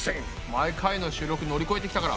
毎回の収録乗り越えてきたから。